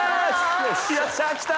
よっしゃきた！